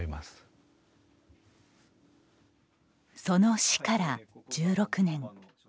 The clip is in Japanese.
その死から１６年。